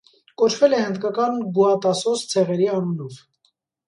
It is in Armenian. Կոչվել է հնդկական գուատասոս ցեղերի անունով։